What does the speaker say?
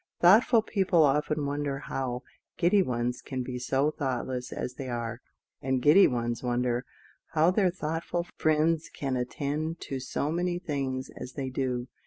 Thoughtful people often wonder how giddy ones can be so thoughtless as they are, and giddy ones wonder how their thoughtful friends can attend to so many things as they do.